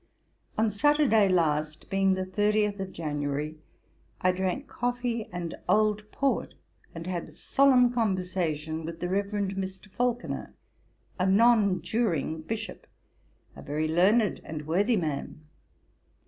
'On Saturday last, being the 30th of January, I drank coffee and old port, and had solemn conversation with the Reverend Mr. Falconer, a nonjuring bishop, a very learned and worthy man.